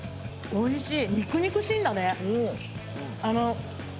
おいしい！